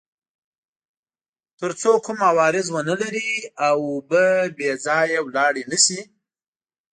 تر څو کوم عوارض ونلري او اوبه بې ځایه لاړې نه شي.